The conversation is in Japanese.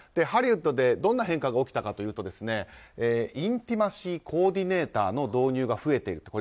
ハリウッドで、どんな変化が起きたかといいますとインティマシー・コーディネーターの導入が増えている。